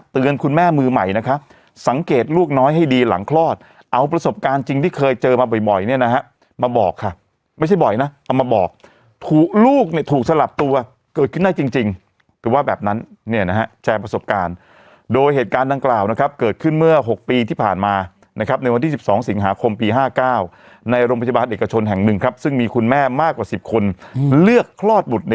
เตือนมาบ่อยเนี่ยนะฮะมาบอกค่ะไม่ใช่บ่อยนะเอามาบอกลูกถูกสลับตัวเกิดขึ้นได้จริงคือว่าแบบนั้นเนี่ยนะฮะแชร์ประสบการณ์โดยเหตุการณ์ดังกล่าวนะครับเกิดขึ้นเมื่อ๖ปีที่ผ่านมานะครับในวันที่๑๒สิงหาคมปี๕๙ในโรงพยาบาลเด็กชนแห่ง๑ครับซึ่งมีคุณแม่มากกว่า๑๐คนเลือกคลอดบุต